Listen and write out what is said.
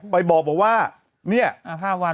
ไปบอกว่า